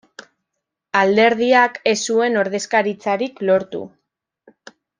Alderdiak ez zuen ordezkaritzarik lortu.